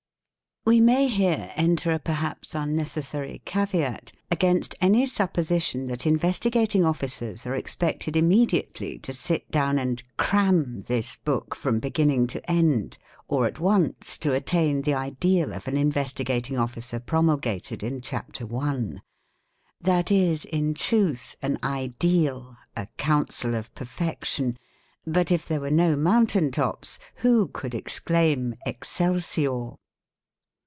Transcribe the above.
We may here enter a perhaps unnecessary caveat against any sup position that Investigating Officers are expected immediately to sit down and "cram"' this book from beginning to end or at once to attain the ideal of an Investigating Officer promulgated in Chapter I. That is in truth an '"ideal'', a '"'counsel of perfection'"—but if there were no mountain tops who could exclaim Excelsior